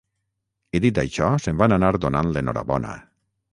I dit això se'n van anar donant l'enhorabona